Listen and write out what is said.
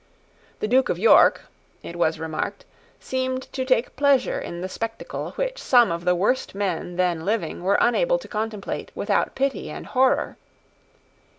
The Duke of York, it was remarked, seemed to take pleasure in the spectacle which some of the worst men then living were unable to contemplate without pity and horror.